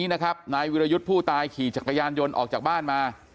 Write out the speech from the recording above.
ทีนี้นะครับนายวิรยุทธ์ผู้ตายขี่จักรยานยนต์ออกจากบ้านมา